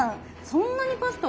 そんなにパスタ